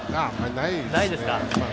ないですね。